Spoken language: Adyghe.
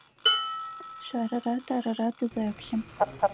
Шъорырэ тэрырэ тызэплъы.